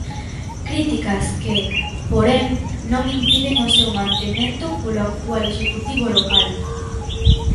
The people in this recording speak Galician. Críticas que, porén, non impiden o seu mantemento polo actual executivo local.